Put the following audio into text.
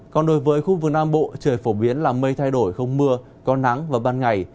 còn đối với khu vực nam bộ trời phổ biến là mây thay đổi không mưa có nắng vào ban ngày